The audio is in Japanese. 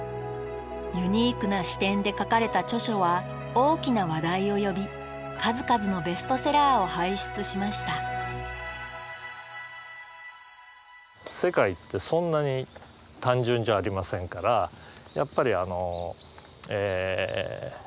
ユニークな視点で書かれた著書は大きな話題を呼び数々のベストセラーを輩出しました世界ってそんなに単純じゃありませんからやっぱりあのえ